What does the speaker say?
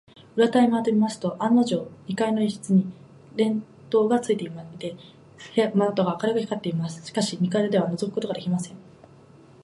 裏手へまわってみますと、案のじょう、二階の一室に電燈がついていて、窓が明るく光っています。しかし、二階ではのぞくことができません。